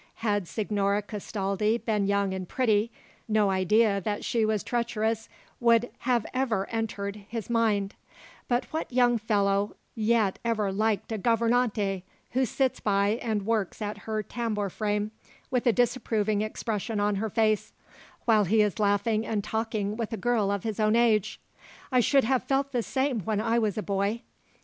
Had Signora Castaldi been young and pretty, no idea that she was treacherous would have ever entered his mind; but what young fellow yet ever liked a gouvernante, who sits by and works at her tambour frame, with a disapproving expression on her face, while he is laughing and talking with a girl of his own age. I should have felt the same when I was a boy.